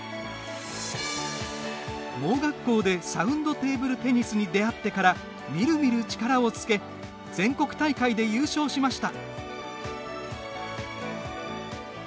盲学校でサウンドテーブルテニスに出会ってから、みるみる力をつけ全国大会で優勝しました。